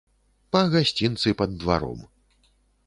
Па гасцінцы пад дваром.